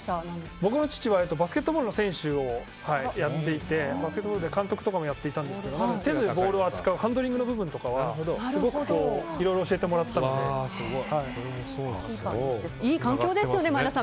僕の父はバスケットボールの選手をやっていてバスケットボールで監督とかもやってたんですが手でボールを扱うハンドリングの部分とかはいい環境ですね、前田さん。